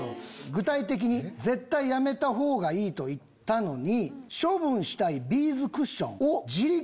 具体的に絶対やめた方がいいと言ったのに。